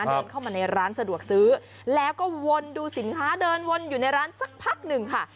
เดินเข้ามาในร้านสะดวกซื้อแล้วก็วนดูสินค้าเดินวนอยู่ในร้านสักพักหนึ่งค่ะ